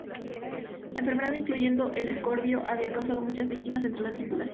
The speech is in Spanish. La enfermedad —incluyendo el escorbuto— había causado muchas víctimas entre la tripulación.